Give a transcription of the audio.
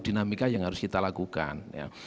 dinamika yang harus kita lakukan